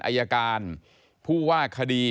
อายการผู้ว่าคดี